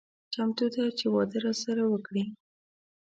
چمتو ده چې واده راسره وکړي.